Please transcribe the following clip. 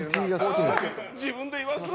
自分で言わすな！